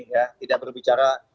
ya tidak berbicara